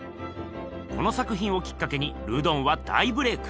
この作ひんをきっかけにルドンは大ブレーク。